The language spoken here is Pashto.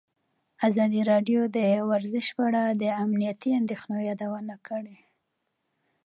ازادي راډیو د ورزش په اړه د امنیتي اندېښنو یادونه کړې.